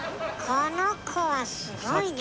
この子はすごいね。